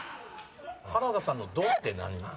原田さんの「ど」って何なん？